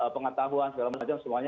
pengetahuan segala macam semuanya